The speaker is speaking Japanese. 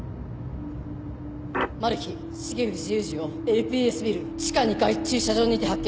マルヒ重藤雄二をＬＰＳビル地下２階駐車場にて発見。